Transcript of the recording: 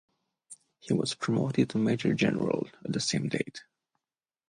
He was promoted to major general at the same date.